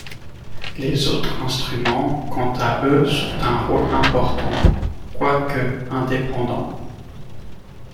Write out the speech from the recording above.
Les autres instruments quant à eux jouent un rôle important quoique indépendant.